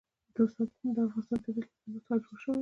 د افغانستان طبیعت له طلا څخه جوړ شوی دی.